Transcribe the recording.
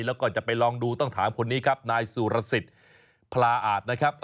แล้วก็จะไปลองดูต้องถามคนนี้ครับนายสุรสิทธิ์พลาอาจนะครับ